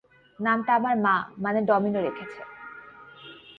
নামটা আমার মা, মানে, ডমিনো রেখেছে।